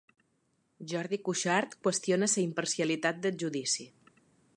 Jordi Cuixart qüestiona la imparcialitat del judici